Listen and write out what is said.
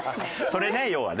それね要はね。